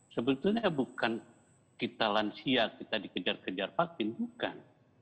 sebetulnya bukan kita lansia kita dikejar kejar vaksin bukan